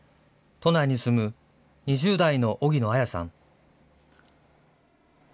都内に住む２０代の荻野綾さん。